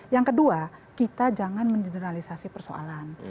yang kedua kita jangan mengeneralisasi persoalan